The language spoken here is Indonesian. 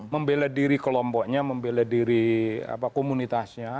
membela diri kelompoknya membela diri komunitasnya